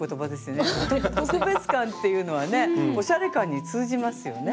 特別感っていうのはねおしゃれ感に通じますよね。